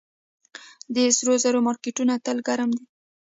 د سرو زرو مارکیټونه تل ګرم وي